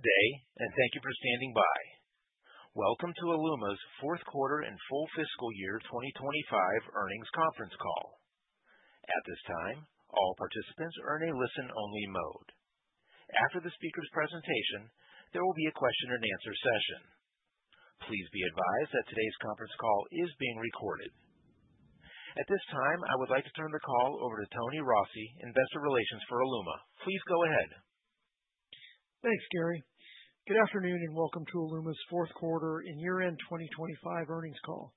Good day, and thank you for standing by. Welcome to Aeluma's fourth quarter and full fiscal year 2025 earnings conference call. At this time, all participants are in a listen-only mode. After the speaker's presentation, there will be a question-and-answer session. Please be advised that today's conference call is being recorded. At this time, I would like to turn the call over to Tony Rossi, Investor Relations for Aeluma. Please go ahead. Thanks, Gary. Good afternoon, and welcome to Aeluma's fourth quarter and year-end 2025 earnings call.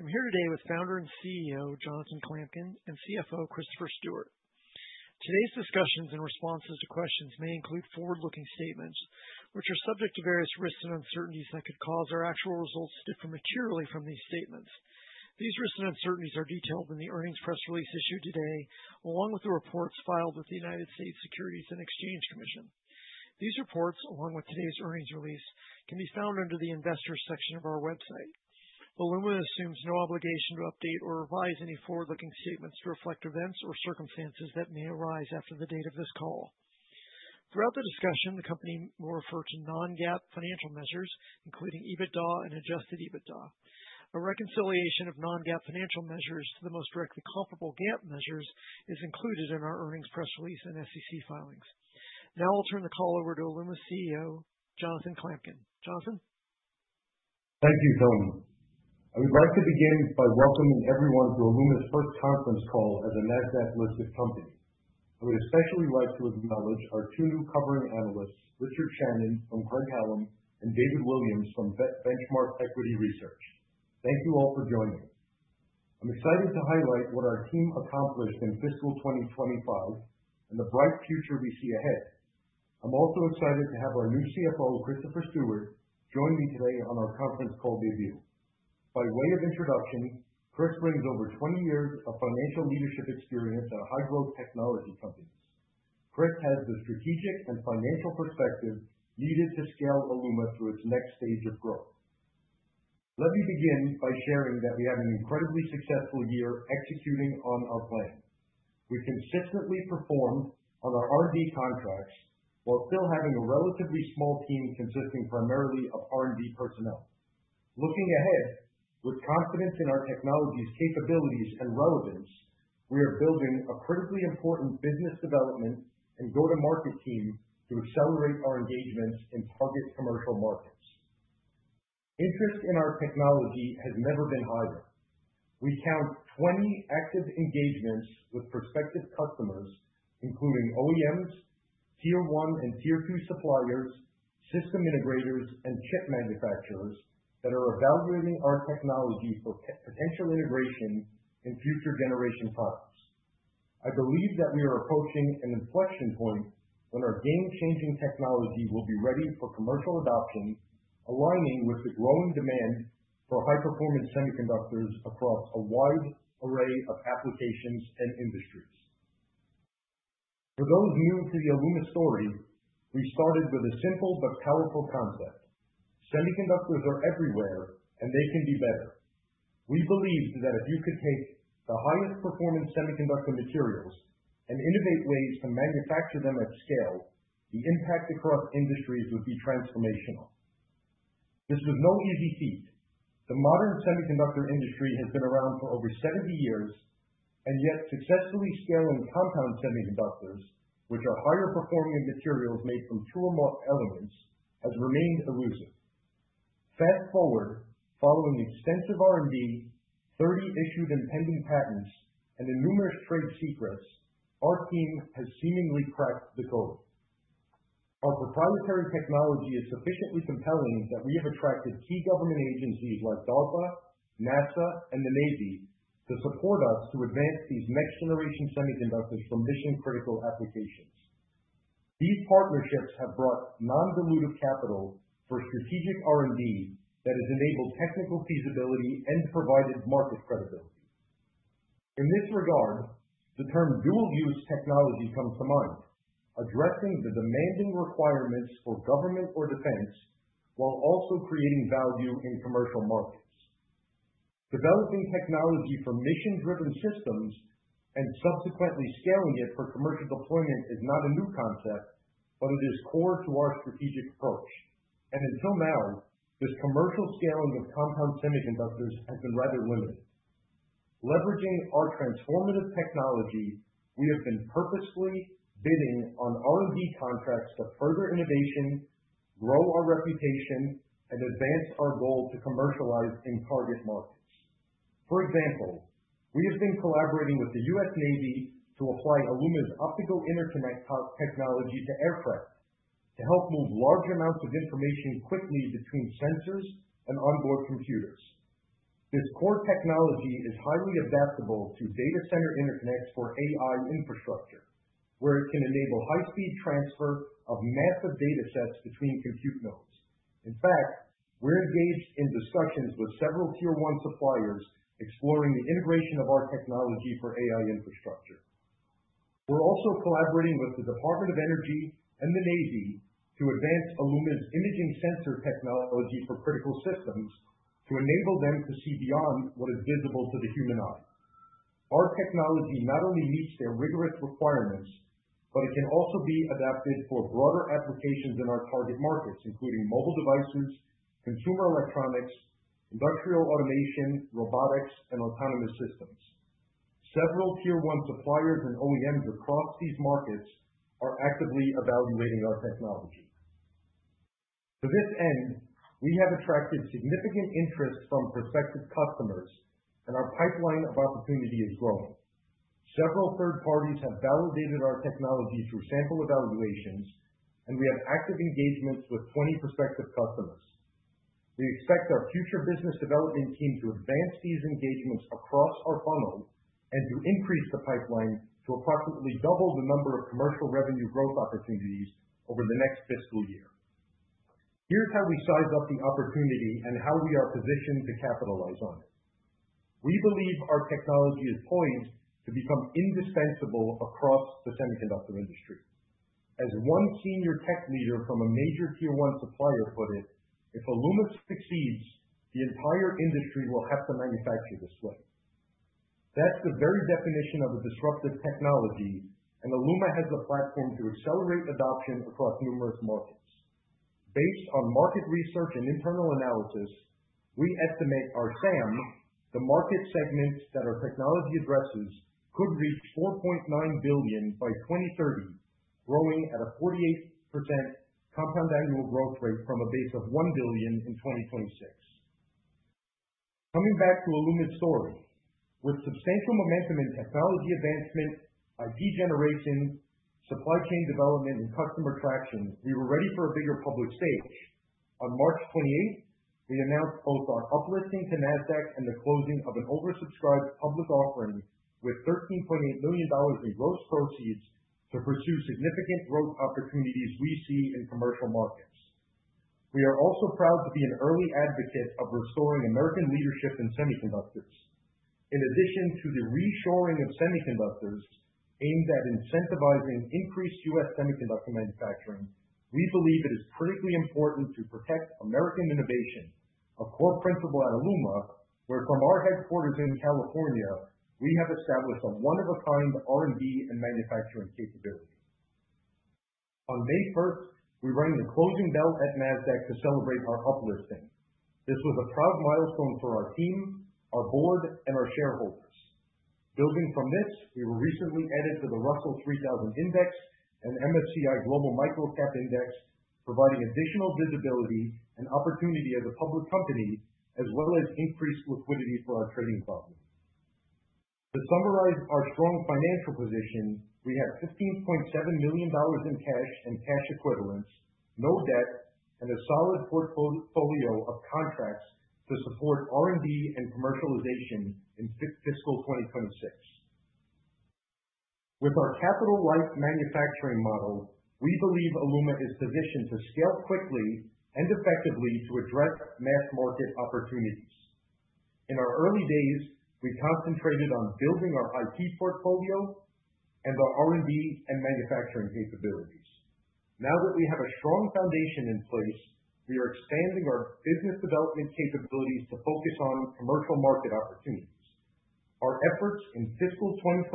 I'm here today with Founder and CEO Jonathan Klamkin and CFO Christopher Stewart. Today's discussions and responses to questions may include forward-looking statements, which are subject to various risks and uncertainties that could cause our actual results to differ materially from these statements. These risks and uncertainties are detailed in the earnings press release issued today, along with the reports filed with the United States Securities and Exchange Commission. These reports, along with today's earnings release, can be found under the Investors section of our website. Aeluma assumes no obligation to update or revise any forward-looking statements to reflect events or circumstances that may arise after the date of this call. Throughout the discussion, the company will refer to non-GAAP financial measures, including EBITDA and adjusted EBITDA. A reconciliation of non-GAAP financial measures to the most directly comparable GAAP measures is included in our earnings press release and SEC filings. Now I'll turn the call over to Aeluma's CEO, Jonathan Klamkin. Jonathan? Thank you, Tony. I would like to begin by welcoming everyone to Aeluma's first conference call as a Nasdaq-listed company. I would especially like to acknowledge our two new covering analysts, Richard Shannon from Craig-Hallum and David Williams from The Benchmark Company. Thank you all for joining. I'm excited to highlight what our team accomplished in fiscal 2025 and the bright future we see ahead. I'm also excited to have our new CFO, Christopher Stewart, join me today on our conference call debut. By way of introduction, Chris brings over 20 years of financial leadership experience at high-growth technology companies. Chris has the strategic and financial perspective needed to scale Aeluma through its next stage of growth. Let me begin by sharing that we had an incredibly successful year executing on our plan. We consistently performed on our R&D contracts while still having a relatively small team consisting primarily of R&D personnel. Looking ahead, with confidence in our technology's capabilities and relevance, we are building a critically important business development and go-to-market team to accelerate our engagements in target commercial markets. Interest in our technology has never been higher. We count 20 active engagements with prospective customers, including OEMs, Tier 1 and Tier 2 suppliers, system integrators, and chip manufacturers that are evaluating our technology for potential integration in future generation systems. I believe that we are approaching an inflection point when our game-changing technology will be ready for commercial adoption, aligning with the growing demand for high-performance semiconductors across a wide array of applications and industries. For those new to the Aeluma story, we started with a simple but powerful concept: semiconductors are everywhere, and they can be better. We believed that if you could take the highest-performance semiconductor materials and innovate ways to manufacture them at scale, the impact across industries would be transformational. This was no easy feat. The modern semiconductor industry has been around for over 70 years, and yet successfully scaling compound semiconductors, which are higher-performing materials made from two or more elements, has remained elusive. Fast forward, following extensive R&D, 30 issued and pending patents, and numerous trade secrets, our team has seemingly cracked the code. Our proprietary technology is sufficiently compelling that we have attracted key government agencies like DARPA, NASA, and the Navy to support us to advance these next-generation semiconductors for mission-critical applications. These partnerships have brought non-dilutive capital for strategic R&D that has enabled technical feasibility and provided market credibility. In this regard, the term dual-use technology comes to mind, addressing the demanding requirements for government or defense while also creating value in commercial markets. Developing technology for mission-driven systems and subsequently scaling it for commercial deployment is not a new concept, but it is core to our strategic approach. Until now, this commercial scaling of compound semiconductors has been rather limited. Leveraging our transformative technology, we have been purposefully bidding on R&D contracts to further innovation, grow our reputation, and advance our goal to commercialize in target markets. For example, we have been collaborating with the U.S. Navy to apply Aeluma's optical interconnect technology to aircraft to help move large amounts of information quickly between sensors and onboard computers. This core technology is highly adaptable to data center interconnects for AI infrastructure, where it can enable high-speed transfer of massive data sets between compute nodes. In fact, we're engaged in discussions with several Tier 1 suppliers exploring the integration of our technology for AI infrastructure. We're also collaborating with the Department of Energy and the Navy to advance Aeluma's imaging sensor technology for critical systems to enable them to see beyond what is visible to the human eye. Our technology not only meets their rigorous requirements, but it can also be adapted for broader applications in our target markets, including mobile devices, consumer electronics, industrial automation, robotics, and autonomous systems. Several Tier 1 suppliers and OEMs across these markets are actively evaluating our technology. To this end, we have attracted significant interest from prospective customers, and our pipeline of opportunity is growing. Several third parties have validated our technology through sample evaluations, and we have active engagements with 20 prospective customers. We expect our future business development team to advance these engagements across our funnel and to increase the pipeline to approximately double the number of commercial revenue growth opportunities over the next fiscal year. Here's how we size up the opportunity and how we are positioned to capitalize on it. We believe our technology is poised to become indispensable across the semiconductor industry. As one senior tech leader from a major Tier 1 supplier put it, "If Aeluma succeeds, the entire industry will have to manufacture this way." That's the very definition of a disruptive technology, and Aeluma has the platform to accelerate adoption across numerous markets. Based on market research and internal analysis, we estimate our SAM, the market segment that our technology addresses, could reach $4.9 billion by 2030, growing at a 48% compound annual growth rate from a base of $1 billion in 2026. Coming back to Aeluma's story, with substantial momentum in technology advancement, IP generation, supply chain development, and customer traction, we were ready for a bigger public stage. On March 28, we announced both our uplisting to Nasdaq and the closing of an oversubscribed public offering with $13.8 million in gross proceeds to pursue significant growth opportunities we see in commercial markets. We are also proud to be an early advocate of restoring American leadership in semiconductors. In addition to the reshoring of semiconductors aimed at incentivizing increased U.S. semiconductor manufacturing, we believe it is critically important to protect American innovation, a core principle at Aeluma where, from our headquarters in California, we have established a one-of-a-kind R&D and manufacturing capability. On May 1, we rang the closing bell at Nasdaq to celebrate our uplisting. This was a proud milestone for our team, our board, and our shareholders. Building from this, we were recently added to the Russell 3000 Index and MSCI Global Micro Cap Index, providing additional visibility and opportunity as a public company, as well as increased liquidity for our trading volume. To summarize our strong financial position, we have $15.7 million in cash and cash equivalents, no debt, and a solid portfolio of contracts to support R&D and commercialization in fiscal 2026. With our capital-like manufacturing model, we believe Aeluma is positioned to scale quickly and effectively to address mass market opportunities. In our early days, we concentrated on building our IP portfolio and our R&D and manufacturing capabilities. Now that we have a strong foundation in place, we are expanding our business development capabilities to focus on commercial market opportunities. Our efforts in fiscal 2026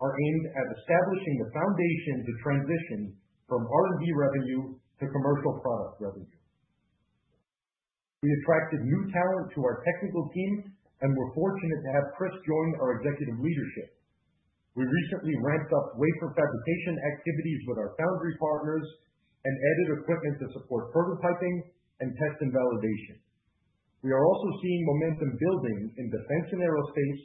are aimed at establishing the foundation to transition from R&D revenue to commercial product revenue. We attracted new talent to our technical team and were fortunate to have Chris join our executive leadership. We recently ramped up wafer fabrication activities with our foundry partners and added equipment to support prototyping and test and validation. We are also seeing momentum building in defense and aerospace,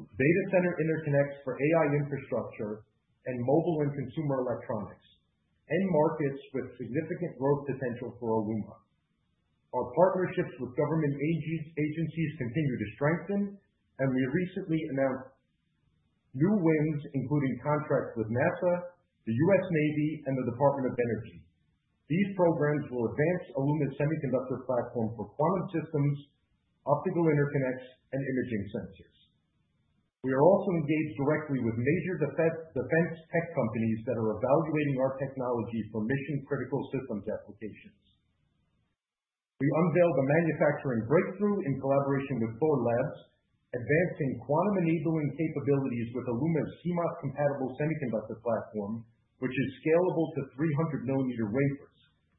data center interconnects for AI infrastructure, and mobile and consumer electronics, and markets with significant growth potential for Aeluma. Our partnerships with government agencies continue to strengthen, and we recently announced new wins, including contracts with NASA, the U.S. Navy, and the Department of Energy. These programs will advance Aeluma's semiconductor platform for quantum systems, optical interconnects, and imaging sensors. We are also engaged directly with major defense tech companies that are evaluating our technology for mission-critical systems applications. We unveiled a manufacturing breakthrough in collaboration with Thorlabs, advancing quantum-enabling capabilities with Aeluma's CMOS-compatible semiconductor platform, which is scalable to 300-millimeter wafers,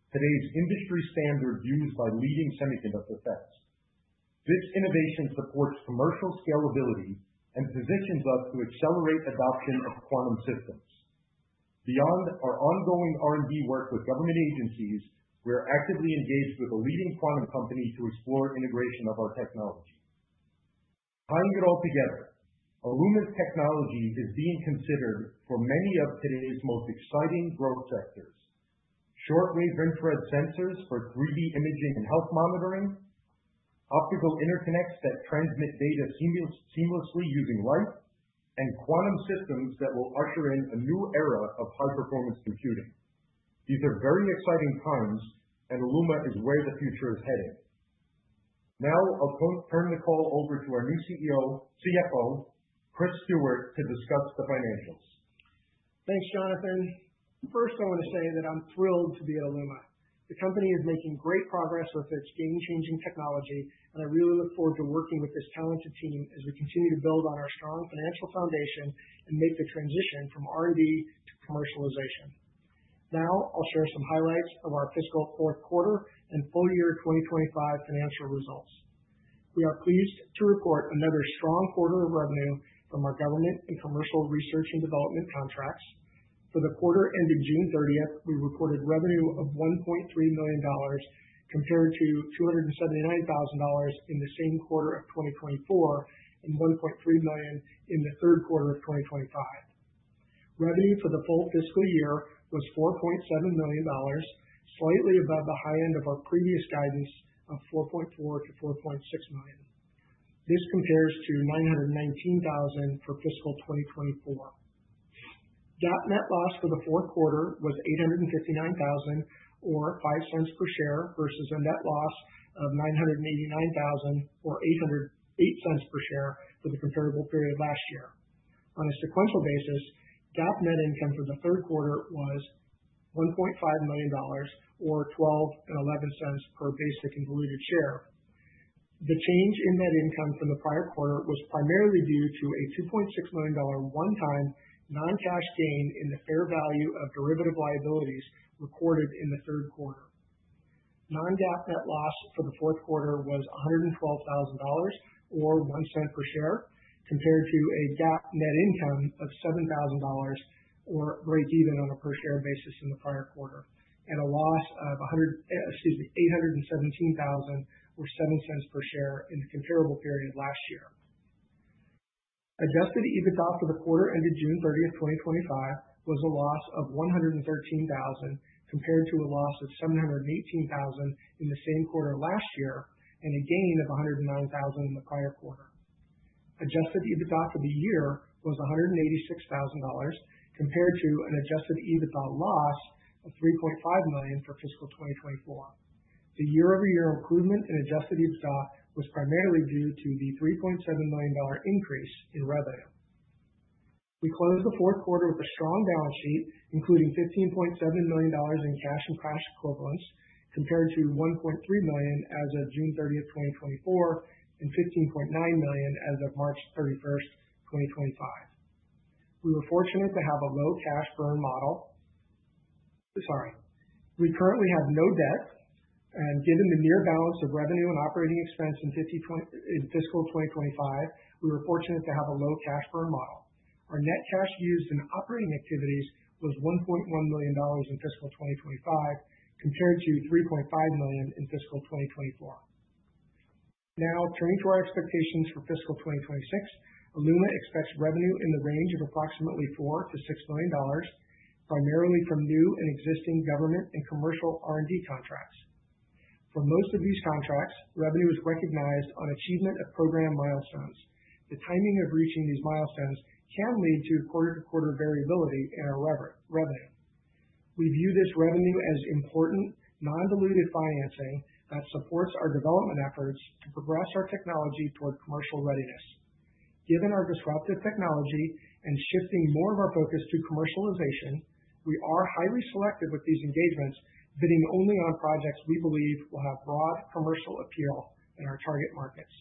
today's industry standard used by leading semiconductor fabs. This innovation supports commercial scalability and positions us to accelerate adoption of quantum systems. Beyond our ongoing R&D work with government agencies, we are actively engaged with a leading quantum company to explore integration of our technology. Tying it all together, Aeluma's technology is being considered for many of today's most exciting growth sectors: short-wave infrared sensors for 3D imaging and health monitoring, optical interconnects that transmit data seamlessly using light, and quantum systems that will usher in a new era of high-performance computing. These are very exciting times, and Aeluma is where the future is headed. Now I'll turn the call over to our new CFO, Chris Stewart, to discuss the financials. Thanks, Jonathan. First, I want to say that I'm thrilled to be at Aeluma. The company is making great progress with its game-changing technology, and I really look forward to working with this talented team as we continue to build on our strong financial foundation and make the transition from R&D to commercialization. Now I'll share some highlights of our fiscal fourth quarter and full year 2025 financial results. We are pleased to report another strong quarter of revenue from our government and commercial research and development contracts. For the quarter ending June 30, we reported revenue of $1.3 million compared to $279,000 in the same quarter of 2024 and $1.3 million in the third quarter of 2025. Revenue for the full fiscal year was $4.7 million, slightly above the high end of our previous guidance of $4.4-$4.6 million. This compares to $919,000 for fiscal 2024. GAAP net loss for the fourth quarter was $859,000 or $0.05 per share versus a net loss of $989,000 or $0.08 per share for the comparable period last year. On a sequential basis, GAAP net income for the third quarter was $1.5 million or $0.12 and $0.11 per basic and diluted share. The change in net income from the prior quarter was primarily due to a $2.6 million one-time non-cash gain in the fair value of derivative liabilities recorded in the third quarter. Non-GAAP net loss for the fourth quarter was $112,000 or $0.01 per share compared to a GAAP net income of $7,000 or break-even on a per-share basis in the prior quarter, and a loss of $817,000 or $0.07 per share in the comparable period last year. Adjusted EBITDA for the quarter ended June 30, 2025, was a loss of $113,000 compared to a loss of $718,000 in the same quarter last year and a gain of $109,000 in the prior quarter. Adjusted EBITDA for the year was $186,000 compared to an adjusted EBITDA loss of $3.5 million for fiscal 2024. The year-over-year improvement in adjusted EBITDA was primarily due to the $3.7 million increase in revenue. We closed the fourth quarter with a strong balance sheet, including $15.7 million in cash and cash equivalents compared to $1.3 million as of June 30, 2024, and $15.9 million as of March 31, 2025. We were fortunate to have a low cash burn model. Sorry. We currently have no debt, and given the near balance of revenue and operating expense in fiscal 2025, we were fortunate to have a low cash burn model. Our net cash used in operating activities was $1.1 million in fiscal 2025 compared to $3.5 million in fiscal 2024. Now, turning to our expectations for fiscal 2026, Aeluma expects revenue in the range of approximately $4-$6 million, primarily from new and existing government and commercial R&D contracts. For most of these contracts, revenue is recognized on achievement of program milestones. The timing of reaching these milestones can lead to quarter-to-quarter variability in our revenue. We view this revenue as important non-dilutive financing that supports our development efforts to progress our technology toward commercial readiness. Given our disruptive technology and shifting more of our focus to commercialization, we are highly selective with these engagements, bidding only on projects we believe will have broad commercial appeal in our target markets.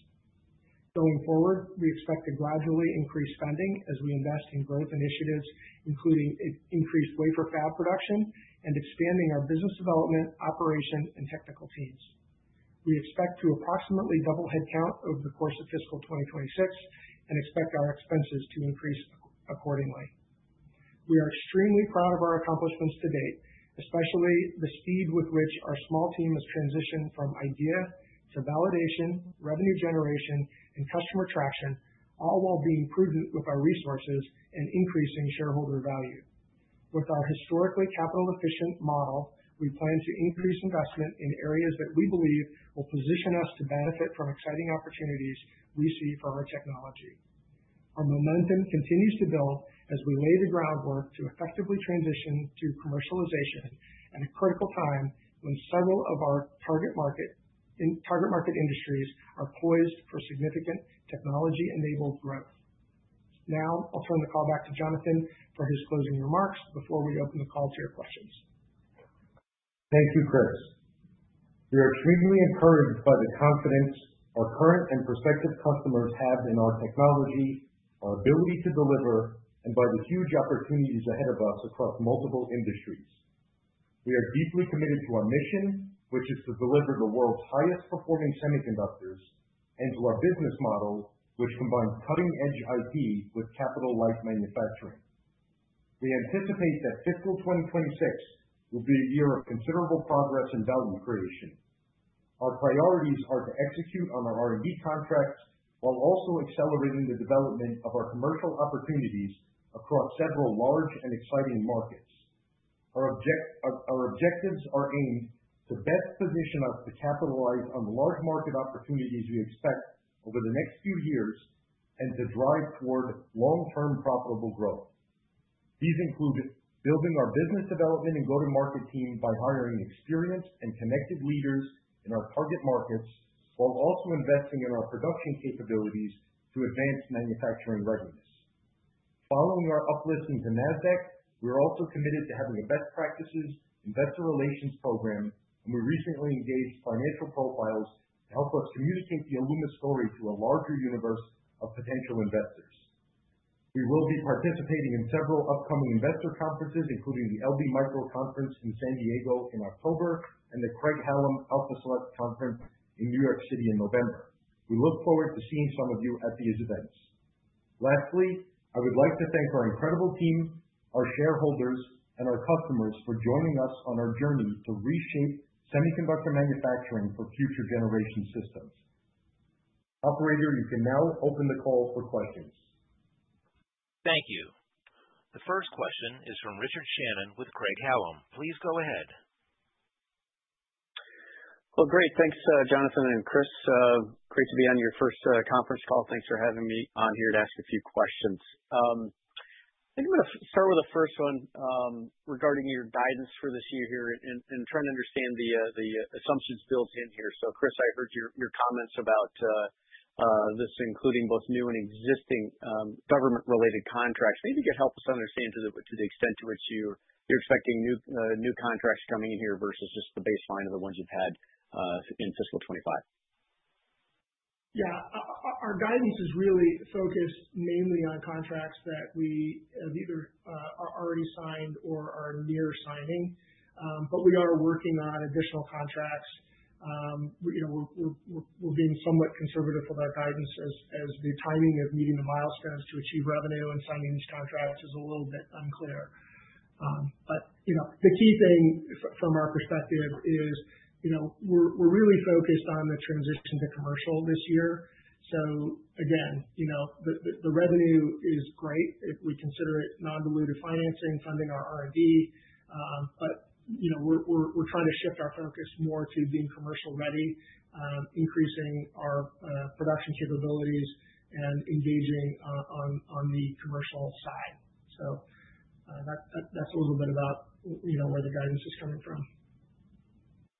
Going forward, we expect to gradually increase spending as we invest in growth initiatives, including increased wafer fab production and expanding our business development, operation, and technical teams. We expect to approximately double headcount over the course of fiscal 2026 and expect our expenses to increase accordingly. We are extremely proud of our accomplishments to date, especially the speed with which our small team has transitioned from idea to validation, revenue generation, and customer traction, all while being prudent with our resources and increasing shareholder value. With our historically capital-efficient model, we plan to increase investment in areas that we believe will position us to benefit from exciting opportunities we see for our technology. Our momentum continues to build as we lay the groundwork to effectively transition to commercialization at a critical time when several of our target market industries are poised for significant technology-enabled growth. Now I'll turn the call back to Jonathan for his closing remarks before we open the call to your questions. Thank you, Chris. We are extremely encouraged by the confidence our current and prospective customers have in our technology, our ability to deliver, and by the huge opportunities ahead of us across multiple industries. We are deeply committed to our mission, which is to deliver the world's highest-performing semiconductors, and to our business model, which combines cutting-edge IP with capital-like manufacturing. We anticipate that fiscal 2026 will be a year of considerable progress and value creation. Our priorities are to execute on our R&D contracts while also accelerating the development of our commercial opportunities across several large and exciting markets. Our objectives are aimed to best position us to capitalize on the large market opportunities we expect over the next few years and to drive toward long-term profitable growth. These include building our business development and go-to-market team by hiring experienced and connected leaders in our target markets while also investing in our production capabilities to advance manufacturing readiness. Following our uplift into Nasdaq, we are also committed to having a best practices investor relations program, and we recently engaged Financial Profiles to help us communicate the Aeluma story to a larger universe of potential investors. We will be participating in several upcoming investor conferences, including the LD Micro Conference in San Diego in October and the Craig-Hallum Alpha Select Conference in New York City in November. We look forward to seeing some of you at these events. Lastly, I would like to thank our incredible team, our shareholders, and our customers for joining us on our journey to reshape semiconductor manufacturing for future generation systems. Operator, you can now open the call for questions. Thank you. The first question is from Richard Shannon with Craig-Hallum. Please go ahead. Well, great. Thanks, Jonathan and Chris. Great to be on your first conference call. Thanks for having me on here to ask a few questions. I think I'm going to start with the first one regarding your guidance for this year here and trying to understand the assumptions built in here. So, Chris, I heard your comments about this, including both new and existing government-related contracts. Maybe you could help us understand to the extent to which you're expecting new contracts coming in here versus just the baseline of the ones you've had in fiscal '25. Yeah. Our guidance is really focused mainly on contracts that we have either already signed or are near signing, but we are working on additional contracts. We're being somewhat conservative with our guidance as the timing of meeting the milestones to achieve revenue and signing these contracts is a little bit unclear. But the key thing from our perspective is we're really focused on the transition to commercial this year. So, again, the revenue is great. We consider it non-dilutive financing, funding our R&D, but we're trying to shift our focus more to being commercial-ready, increasing our production capabilities, and engaging on the commercial side. So that's a little bit about where the guidance is coming from.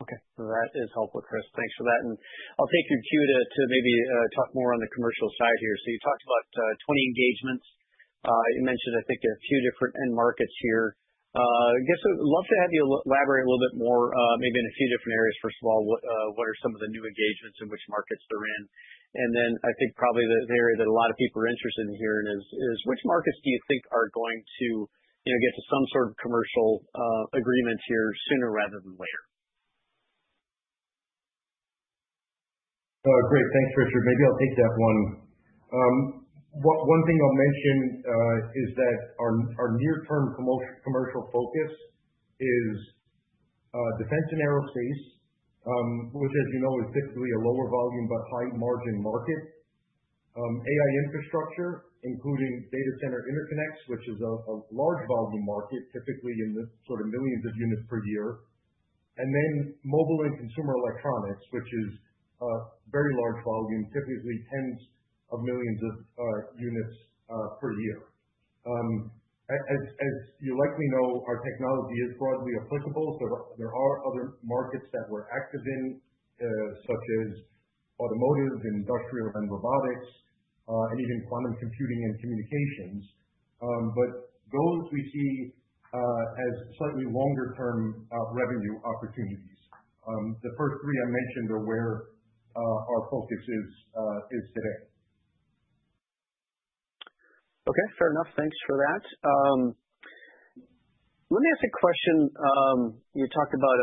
Okay. So that is helpful, Chris. Thanks for that. And I'll take your cue to maybe talk more on the commercial side here. So you talked about 20 engagements. You mentioned, I think, a few different end markets here. I guess I'd love to have you elaborate a little bit more, maybe in a few different areas. First of all, what are some of the new engagements and which markets they're in? And then I think probably the area that a lot of people are interested in hearing is, which markets do you think are going to get to some sort of commercial agreement here sooner rather than later? Great. Thanks, Richard. Maybe I'll take that one. One thing I'll mention is that our near-term commercial focus is defense and aerospace, which, as you know, is typically a lower volume but high-margin market. AI infrastructure, including data center interconnects, which is a large volume market, typically in the sort of millions of units per year. And then mobile and consumer electronics, which is a very large volume, typically tens of millions of units per year. As you likely know, our technology is broadly applicable. There are other markets that we're active in, such as automotive, industrial, and robotics, and even quantum computing and communications. But those we see as slightly longer-term revenue opportunities. The first three I mentioned are where our focus is today. Okay. Fair enough. Thanks for that. Let me ask a question. You talked about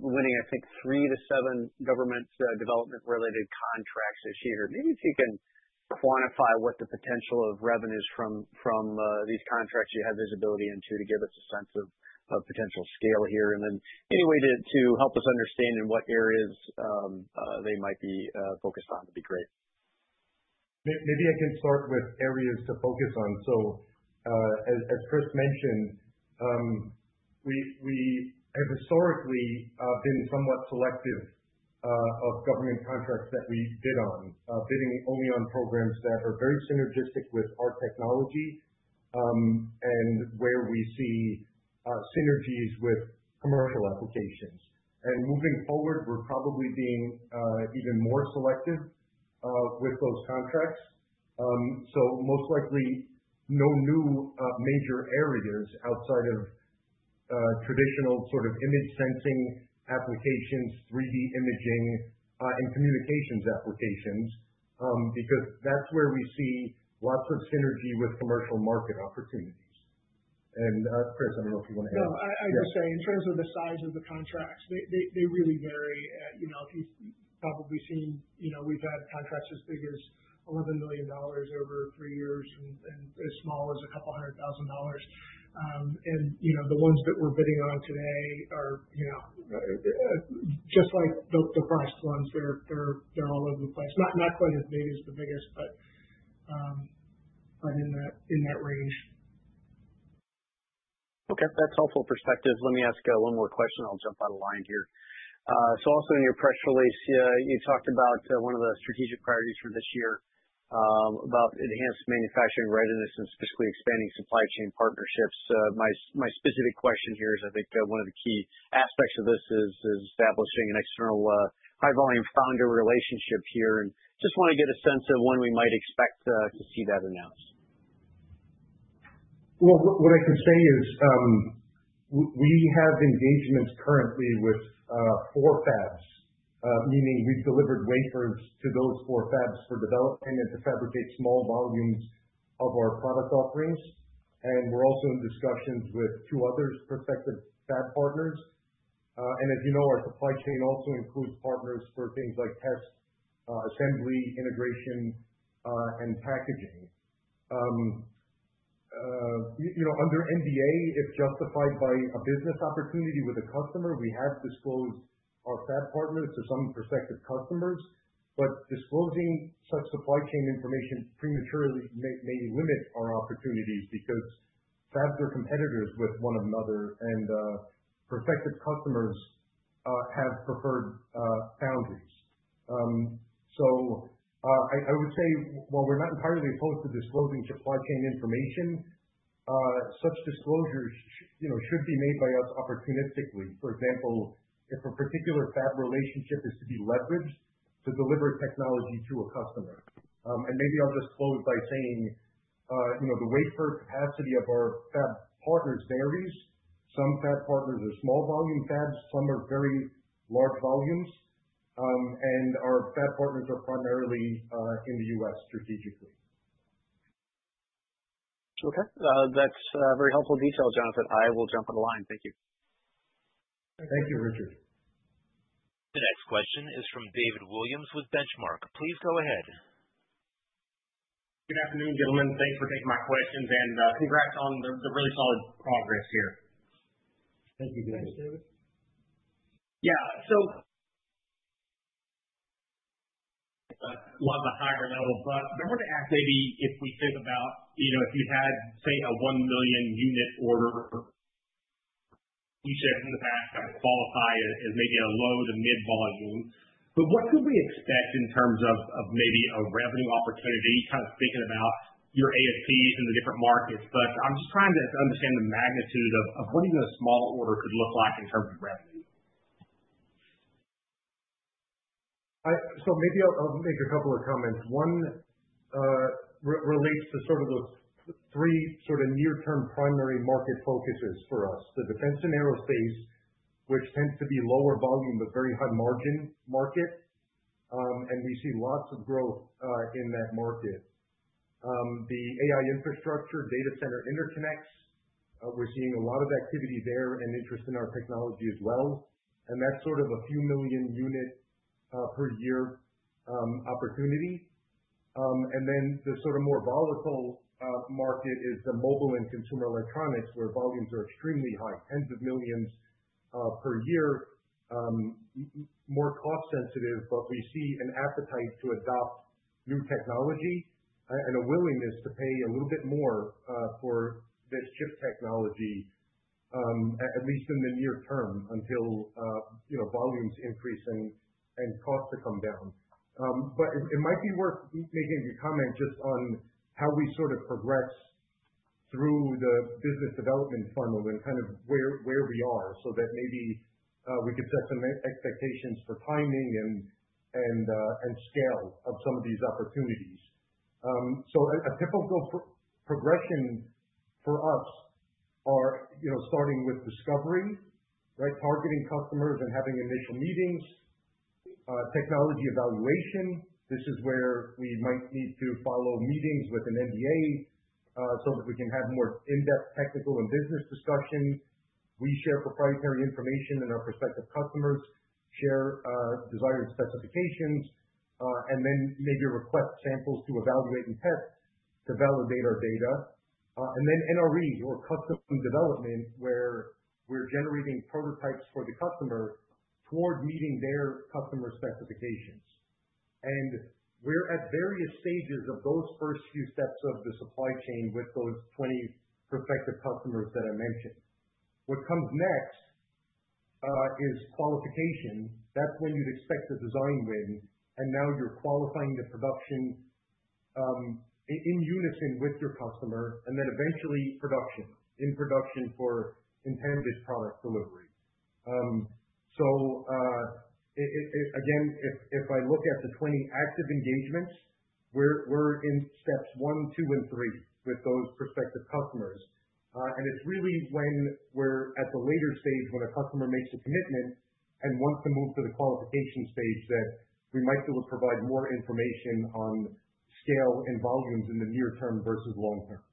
winning, I think, three to seven government development-related contracts this year. Maybe if you can quantify what the potential of revenues from these contracts you have visibility into to give us a sense of potential scale here? And then any way to help us understand in what areas they might be focused on would be great? Maybe I can start with areas to focus on. So, as Chris mentioned, we have historically been somewhat selective of government contracts that we bid on, bidding only on programs that are very synergistic with our technology and where we see synergies with commercial applications. And moving forward, we're probably being even more selective with those contracts. So, most likely, no new major areas outside of traditional sort of image sensing applications, 3D imaging, and communications applications because that's where we see lots of synergy with commercial market opportunities. And Chris, I don't know if you want to add anything. No, I just say in terms of the size of the contracts, they really vary. You know, if you've probably seen, you know, we've had contracts as big as $11 million over three years and as small as a couple hundred thousand dollars, and the ones that we're bidding on today are just like the prior ones. They're all over the place. Not quite as big as the biggest, but in that range. Okay. That's helpful perspective. Let me ask one more question. I'll jump out of line here. So, also in your press release, you talked about one of the strategic priorities for this year about enhanced manufacturing readiness and specifically expanding supply chain partnerships. My specific question here is, I think one of the key aspects of this is establishing an external high-volume foundry relationship here, and just want to get a sense of when we might expect to see that announced. What I can say is we have engagements currently with four fabs, meaning we've delivered wafers to those four fabs for development and to fabricate small volumes of our product offerings. We're also in discussions with two other prospective fab partners. As you know, our supply chain also includes partners for things like test assembly, integration, and packaging. Under NDA, if justified by a business opportunity with a customer, we have disclosed our fab partners to some prospective customers. Disclosing such supply chain information prematurely may limit our opportunities because fabs are competitors with one another, and prospective customers have preferred foundries. I would say, while we're not entirely opposed to disclosing supply chain information, such disclosures should be made by us opportunistically. For example, if a particular fab relationship is to be leveraged to deliver technology to a customer. And maybe I'll just close by saying the wafer capacity of our fab partners varies. Some fab partners are small volume fabs. Some are very large volumes. And our fab partners are primarily in the U.S. strategically. Okay. That's very helpful detail, Jonathan. I will jump on the line. Thank you. Thank you, Richard. The next question is from David Williams with Benchmark. Please go ahead. Good afternoon, gentlemen. Thanks for taking my questions, and congrats on the really solid progress here. Thank you, David. Thanks, David. Yeah. So, a lot of the higher level, but I wanted to ask maybe if we think about if you had, say, a one million unit order each year in the past, that would qualify as maybe a low to mid volume. But what could we expect in terms of maybe a revenue opportunity, kind of thinking about your ASPs in the different markets? But I'm just trying to understand the magnitude of what even a small order could look like in terms of revenue. So maybe I'll make a couple of comments. One relates to sort of those three sort of near-term primary market focuses for us: the defense and aerospace, which tends to be lower volume but very high margin market. And we see lots of growth in that market. The AI infrastructure, data center interconnects. We're seeing a lot of activity there and interest in our technology as well. And that's sort of a few million unit per year opportunity. And then the sort of more volatile market is the mobile and consumer electronics, where volumes are extremely high, tens of millions per year, more cost-sensitive. But we see an appetite to adopt new technology and a willingness to pay a little bit more for this chip technology, at least in the near term until volumes increase and costs come down. But it might be worth making a comment just on how we sort of progress through the business development funnel and kind of where we are so that maybe we could set some expectations for timing and scale of some of these opportunities, so a typical progression for us is starting with discovery, targeting customers and having initial meetings, technology evaluation. This is where we might need to follow meetings with an NDA so that we can have more in-depth technical and business discussions. We share proprietary information and our prospective customers share desired specifications, and then maybe request samples to evaluate and test to validate our data, and then NREs or custom development, where we're generating prototypes for the customer toward meeting their customer specifications, and we're at various stages of those first few steps of the supply chain with those 20 prospective customers that I mentioned. What comes next is qualification. That's when you'd expect the design win. And now you're qualifying the production in unison with your customer, and then eventually production in production for intended product delivery. So, again, if I look at the 20 active engagements, we're in steps one, two, and three with those prospective customers. And it's really when we're at the later stage when a customer makes a commitment and wants to move to the qualification stage that we might be able to provide more information on scale and volumes in the near term versus long term.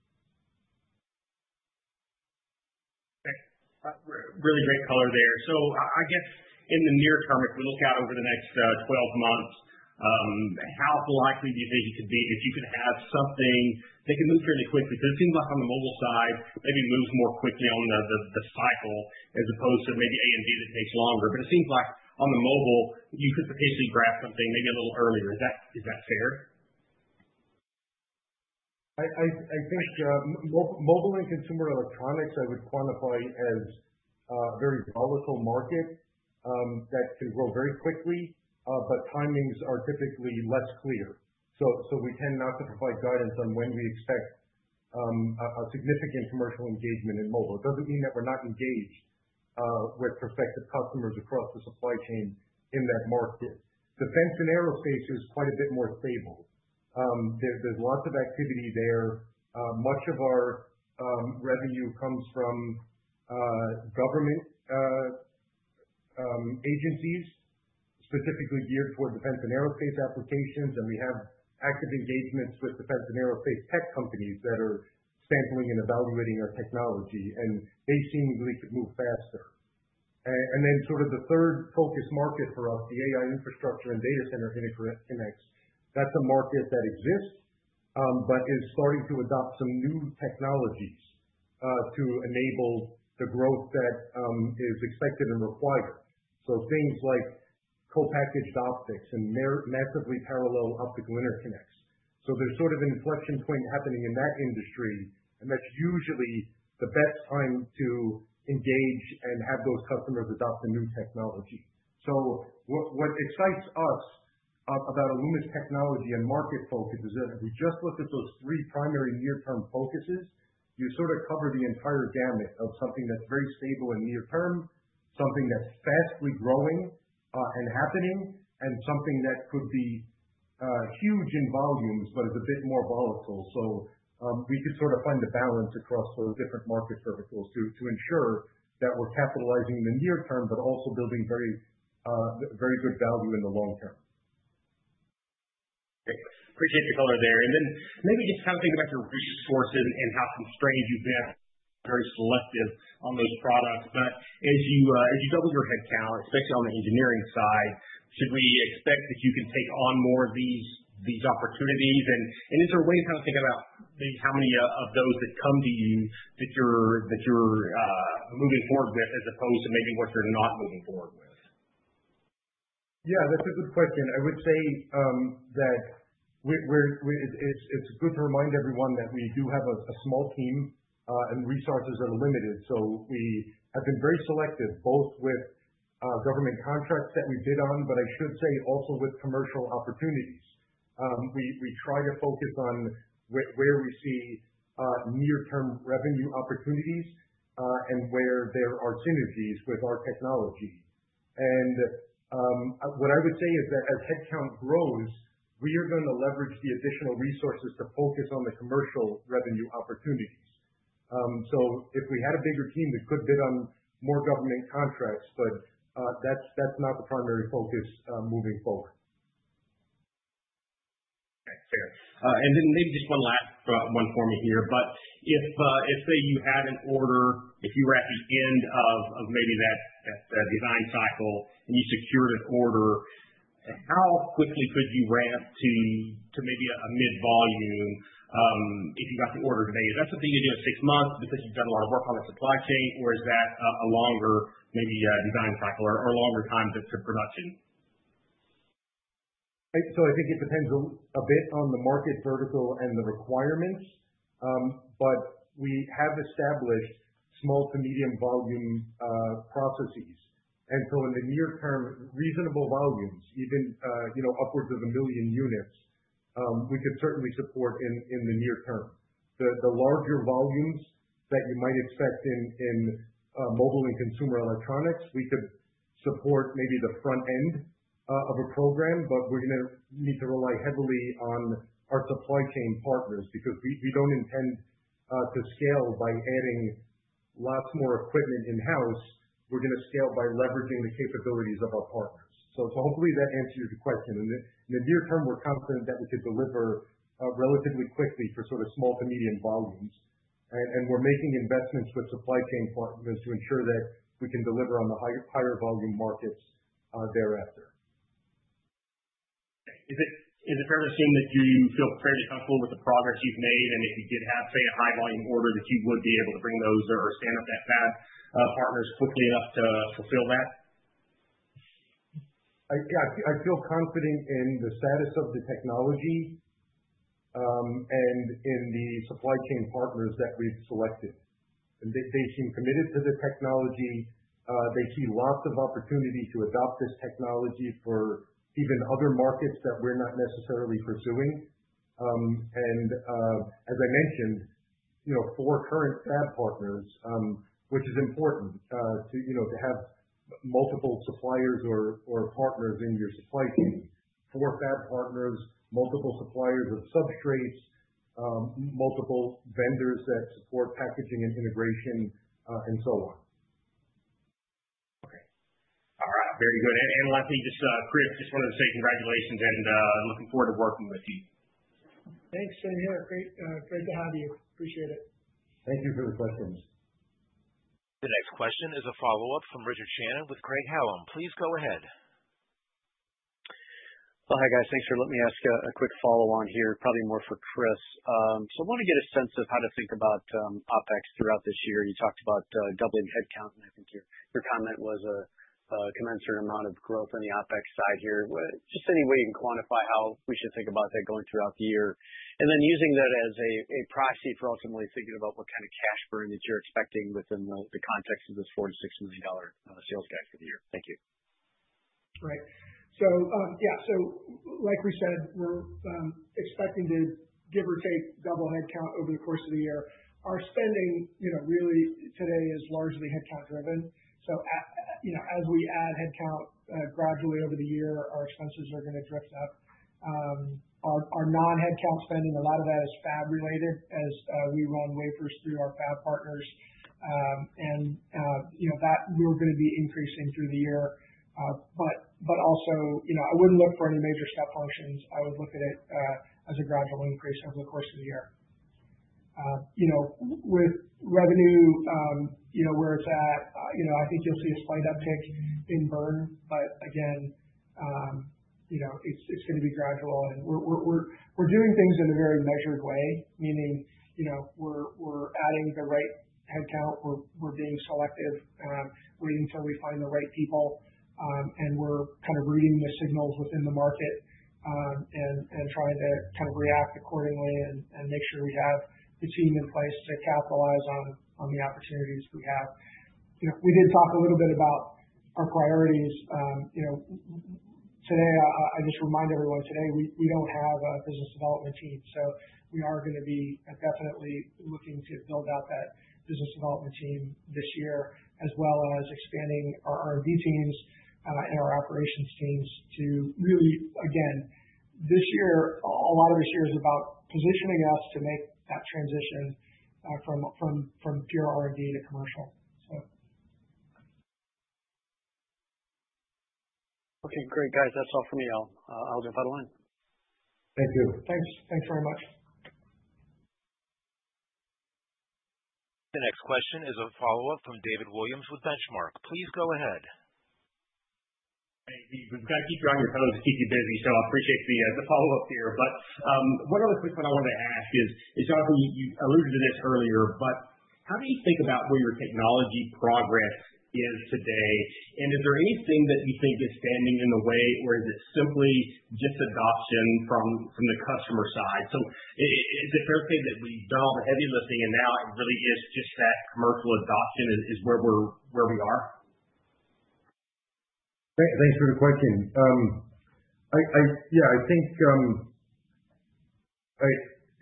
Thanks. Really great color there. So, I guess in the near term, if we look out over the next 12 months, how likely do you think it could be if you could have something that can move fairly quickly? Because it seems like on the mobile side, maybe it moves more quickly on the cycle as opposed to maybe A and B that takes longer. But it seems like on the mobile, you could potentially grab something maybe a little earlier. Is that fair? I think mobile and consumer electronics, I would quantify as a very volatile market that can grow very quickly, but timings are typically less clear. So we tend not to provide guidance on when we expect a significant commercial engagement in mobile. It doesn't mean that we're not engaged with prospective customers across the supply chain in that market. Defense and aerospace is quite a bit more stable. There's lots of activity there. Much of our revenue comes from government agencies, specifically geared toward defense and aerospace applications, and we have active engagements with defense and aerospace tech companies that are sampling and evaluating our technology. They seemingly could move faster. Then sort of the third focus market for us, the AI infrastructure and data center interconnects. That's a market that exists but is starting to adopt some new technologies to enable the growth that is expected and required. Things like co-packaged optics and massively parallel optical interconnects. There's sort of an inflection point happening in that industry. That's usually the best time to engage and have those customers adopt the new technology. What excites us about Aeluma's technology and market focus is that if we just look at those three primary near-term focuses, you sort of cover the entire gamut of something that's very stable in near term, something that's fast-growing and happening, and something that could be huge in volumes but is a bit more volatile. So we could sort of find the balance across sort of different market verticals to ensure that we're capitalizing the near term but also building very good value in the long term. Okay. Appreciate the color there and then maybe just kind of thinking about your resources and how constrained you've been, very selective on those products, but as you double your headcount, especially on the engineering side, should we expect that you can take on more of these opportunities, and is there a way to kind of think about maybe how many of those that come to you that you're moving forward with as opposed to maybe what you're not moving forward with? Yeah, that's a good question. I would say that it's good to remind everyone that we do have a small team and resources are limited, so we have been very selective both with government contracts that we bid on, but I should say also with commercial opportunities. We try to focus on where we see near-term revenue opportunities and where there are synergies with our technology, and what I would say is that as headcount grows, we are going to leverage the additional resources to focus on the commercial revenue opportunities, so if we had a bigger team, we could bid on more government contracts, but that's not the primary focus moving forward. Okay. Fair. And then maybe just one last one for me here. But if, say, you had an order, if you were at the end of maybe that design cycle and you secured an order, how quickly could you ramp to maybe a mid volume if you got the order today? Is that something you do in six months because you've done a lot of work on the supply chain, or is that a longer maybe design cycle or a longer time to production? So I think it depends a bit on the market vertical and the requirements. But we have established small to medium volume processes. And so in the near term, reasonable volumes, even upwards of a million units, we could certainly support in the near term. The larger volumes that you might expect in mobile and consumer electronics, we could support maybe the front end of a program. But we're going to need to rely heavily on our supply chain partners because we don't intend to scale by adding lots more equipment in-house. We're going to scale by leveraging the capabilities of our partners. So hopefully that answers your question. In the near term, we're confident that we could deliver relatively quickly for sort of small to medium volumes. And we're making investments with supply chain partners to ensure that we can deliver on the higher volume markets thereafter. Is it fair to assume that you feel fairly comfortable with the progress you've made? And if you did have, say, a high volume order, that you would be able to bring those or stand up that fab partners quickly enough to fulfill that? Yeah. I feel confident in the status of the technology and in the supply chain partners that we've selected. And they seem committed to the technology. They see lots of opportunity to adopt this technology for even other markets that we're not necessarily pursuing. And as I mentioned, four current fab partners, which is important to have multiple suppliers or partners in your supply chain: four fab partners, multiple suppliers of substrates, multiple vendors that support packaging and integration, and so on. Okay. All right. Very good. And lastly, Chris, just wanted to say congratulations and looking forward to working with you. Thanks, same here. Great to have you. Appreciate it. Thank you for the questions. The next question is a follow-up from Richard Shannon with Craig-Hallum. Please go ahead. Hi guys. Thanks for letting me ask a quick follow-on here, probably more for Chris. So I want to get a sense of how to think about OpEx throughout this year. You talked about doubling headcount, and I think your comment was a commensurate amount of growth on the OpEx side here. Just any way you can quantify how we should think about that going throughout the year. And then using that as a proxy for ultimately thinking about what kind of cash burn that you're expecting within the context of this $4 million to $6 million sales gap for the year. Thank you. Right, so yeah, so like we said, we're expecting to give or take double headcount over the course of the year. Our spending really today is largely headcount driven, so as we add headcount gradually over the year, our expenses are going to drift up. Our non-headcount spending, a lot of that is fab-related as we run wafers through our fab partners, and that we're going to be increasing through the year, but also, I wouldn't look for any major step functions. I would look at it as a gradual increase over the course of the year. With revenue where it's at, I think you'll see a slight uptick in burn, but again, it's going to be gradual, and we're doing things in a very measured way, meaning we're adding the right headcount. We're being selective, waiting until we find the right people. And we're kind of reading the signals within the market and trying to kind of react accordingly and make sure we have the team in place to capitalize on the opportunities we have. We did talk a little bit about our priorities. Today, I just remind everyone today we don't have a business development team. So we are going to be definitely looking to build out that business development team this year, as well as expanding our R&D teams and our operations teams to really, again, this year, a lot of this year is about positioning us to make that transition from pure R&D to commercial, so. Okay. Great, guys. That's all from me. I'll jump out of line. Thank you. Thanks. Thanks very much. The next question is a follow-up from David Williams with Benchmark. Please go ahead. We've got to keep you on your phones to keep you busy. So I appreciate the follow-up here. But one other quick one I wanted to ask is, Jonathan, you alluded to this earlier, but how do you think about where your technology progress is today? And is there anything that you think is standing in the way, or is it simply just adoption from the customer side? So is it fair to say that we've done all the heavy lifting and now it really is just that commercial adoption is where we are? Thanks for the question. Yeah, I think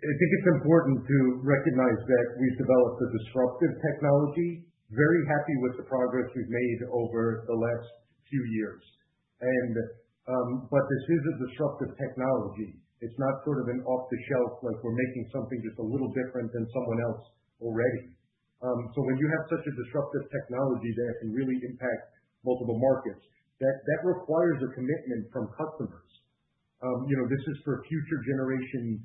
it's important to recognize that we've developed a disruptive technology. Very happy with the progress we've made over the last few years. But this is a disruptive technology. It's not sort of an off-the-shelf like we're making something just a little different than someone else already. So when you have such a disruptive technology that can really impact multiple markets, that requires a commitment from customers. This is for future generation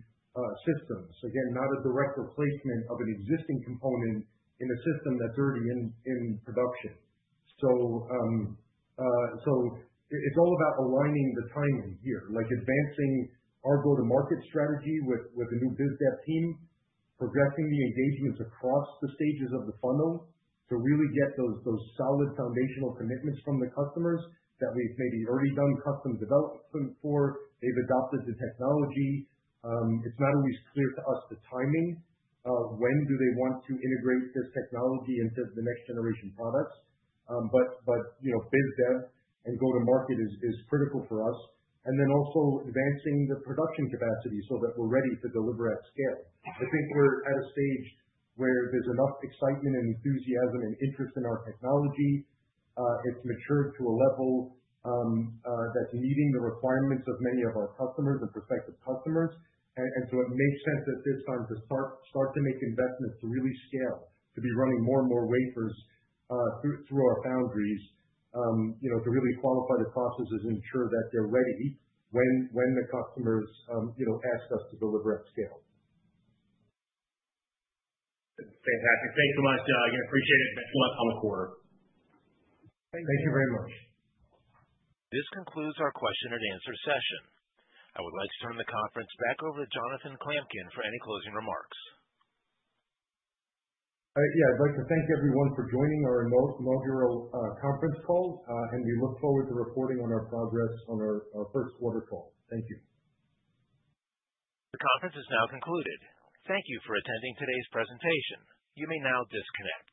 systems. Again, not a direct replacement of an existing component in a system that's already in production. So it's all about aligning the timing here, like advancing our go-to-market strategy with a new biz dev team, progressing the engagements across the stages of the funnel to really get those solid foundational commitments from the customers that we've maybe already done custom development for. They've adopted the technology. It's not always clear to us the timing. When do they want to integrate this technology into the next generation products? But biz dev and go-to-market is critical for us. And then also advancing the production capacity so that we're ready to deliver at scale. I think we're at a stage where there's enough excitement and enthusiasm and interest in our technology. It's matured to a level that's meeting the requirements of many of our customers and prospective customers. And so it makes sense at this time to start to make investments to really scale, to be running more and more wafers through our foundries, to really qualify the processes and ensure that they're ready when the customers ask us to deliver at scale. Fantastic. Thanks so much, Jonathan. Appreciate it. Best luck on the quarter. Thank you. Thank you very much. This concludes our question and answer session. I would like to turn the conference back over to Jonathan Klamkin for any closing remarks. Yeah. I'd like to thank everyone for joining our inaugural conference call, and we look forward to reporting on our progress on our first quarter call. Thank you. The conference is now concluded. Thank you for attending today's presentation. You may now disconnect.